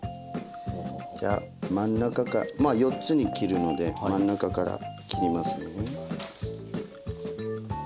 じゃあ真ん中かまあ４つに切るので真ん中から切りますね。